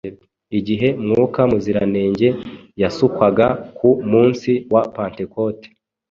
Igihe Mwuka Muziranenge yasukwaga ku munsi wa Pentekote